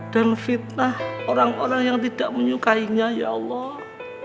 dan fitnah orang orang yang tidak menyukainya ya allah